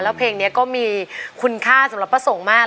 แล้วเพลงนี้ก็มีคุณค่าสำหรับพระสงฆ์มาก